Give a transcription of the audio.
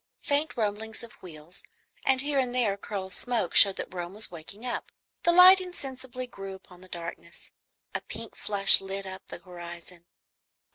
Faint rumblings of wheels and here and there a curl of smoke showed that Rome was waking up. The light insensibly grew upon the darkness. A pink flush lit up the horizon.